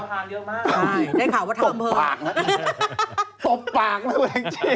ใช่ได้ข่าวว่าทางอำเภอหัวหนังขี้